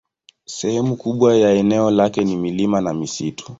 Sehemu kubwa ya eneo lake ni milima na misitu tu.